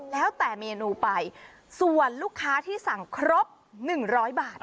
แล้วแต่เมนูไปส่วนลูกค้าที่สั่งครบ๑๐๐บาท